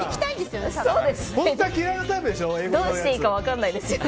どうしていいか分からないですよね。